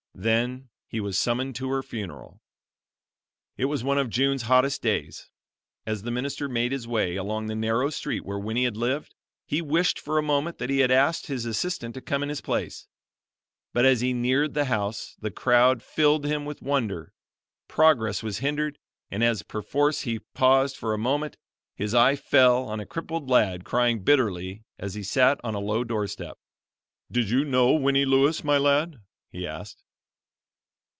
Then he was summoned to her funeral. It was one of June's hottest days. As the minister made his way along the narrow street where Winnie had lived, he wished for a moment that he had asked his assistant to come in his place; but as he neared the house, the crowd filled him with wonder; progress was hindered, and as perforce he paused for a moment, his eye fell on a crippled lad crying bitterly as he sat on a low door step. "Did you know Winnie Lewis, my lad?" he asked.